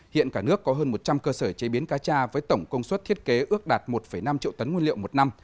hiện cả nước có hơn một trăm linh cơ sở chế biến cá cha với tổng công suất thiết kế ước đạt một năm triệu tấn nguyên liệu một năm